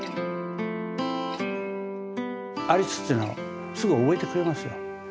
「アリス」っていうのはすぐ覚えてくれますよ。